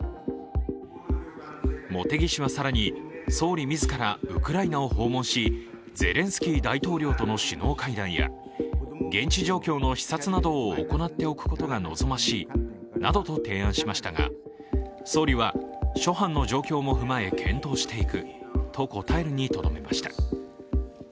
茂木氏は更に、総理自らウクライナを訪問しゼレンスキー大統領との首脳会談や現地状況の視察などを行っておくことが望ましいなどと提案しましたが、総理は、諸般の状況も踏まえ検討していくと答えるにとどめました。